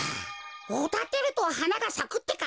おだてるとはながさくってか？